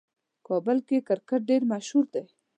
کابل کې کرکټ ډېر مشهور دی.